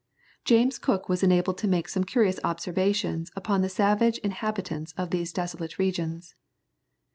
James Cook was enabled to make some curious observations upon the savage inhabitants of those desolate regions.